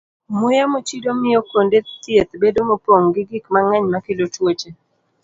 Muya mochido miyo kuonde thieth bedo mopong' gi gik mang'eny makelo tuoche.